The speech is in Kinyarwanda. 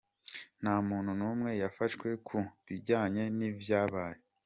Nta muntu numwe yafashwe ku bijanye n'ivyabaye.